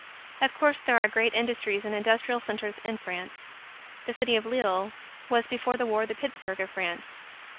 Of course, there are great industries and industrial centers in France. The city of Lille was, before the war, the Pittsburg of France.